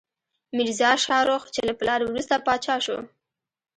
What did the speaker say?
میرزا شاهرخ، چې له پلار وروسته پاچا شو.